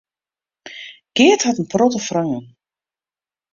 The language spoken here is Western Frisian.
Geart hat in protte freonen.